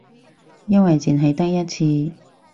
因為淨係得一次